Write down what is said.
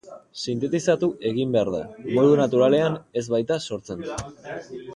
Sintetizatu egin behar da, modu naturalean ez baita sortzen.